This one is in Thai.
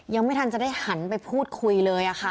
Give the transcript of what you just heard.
ยังไม่ทันจะได้หันไปพูดคุยเลยค่ะ